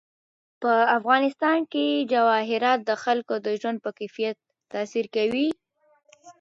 په افغانستان کې جواهرات د خلکو د ژوند په کیفیت تاثیر کوي.